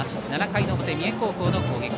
７回の表、三重高校の攻撃。